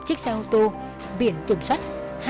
chiếc xe ô tô biển kiểm soát